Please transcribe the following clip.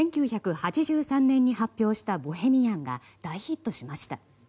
１９８３年に発表した「ボヘミアン」が大ヒットしました。